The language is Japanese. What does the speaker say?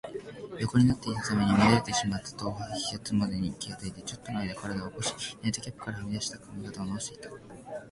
横になっていたために乱れてしまった頭髪にまで気がついて、ちょっとのあいだ身体を起こし、ナイトキャップからはみ出た髪形をなおしていた。